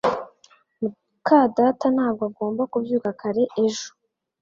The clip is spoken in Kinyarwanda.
muka data ntabwo agomba kubyuka kare ejo